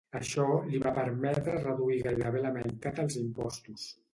Això li va permetre reduir gairebé a la meitat els impostos.